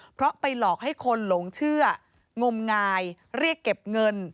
เพราะไปหลอกให้คนหลงเชื่องมงายเรียกเก็บเงิน